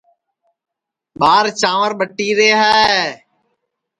ٻار چانٚور ٻٹیرے ہے